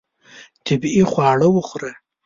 طبیعي خواړه وخوره.